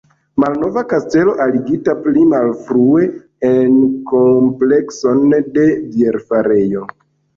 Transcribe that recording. Malnova kastelo, aligita pli malfrue en komplekson de bierfarejo.